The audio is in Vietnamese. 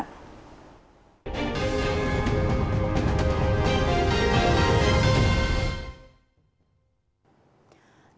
chào các bạn